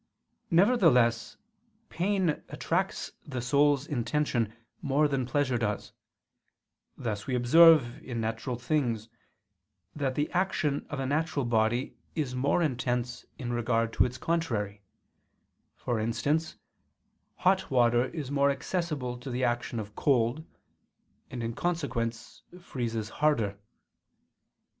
Nevertheless pain attracts the soul's intention more than pleasure does: thus we observe in natural things that the action of a natural body is more intense in regard to its contrary; for instance, hot water is more accessible to the action of cold, and in consequence freezes harder.